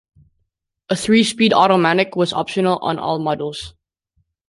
A three-speed automatic was optional on all models.